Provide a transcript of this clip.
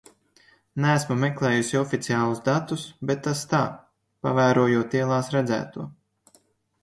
Neesmu meklējusi oficiālus datus, bet tas tā, pavērojot ielās redzēto.